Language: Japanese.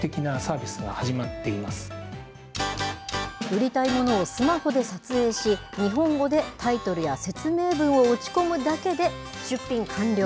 売りたいものをスマホで撮影し、日本語でタイトルや説明文を打ち込むだけで、出品完了。